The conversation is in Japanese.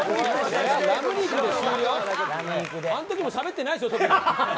あの時もしゃべってないですよ、特に。